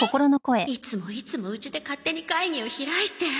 いつもいつもうちで勝手に会議を開いて